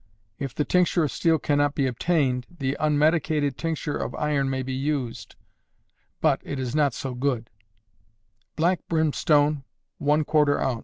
(if the tincture of steel cannot be obtained, the unmedicated tincture of iron may be used, but it is not so good) black brimstone, ¼ oz.